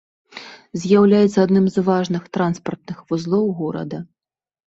З'яўляецца адным з важных транспартных вузлоў горада.